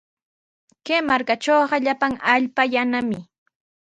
Kay markatrawqa llapan allpa yanami.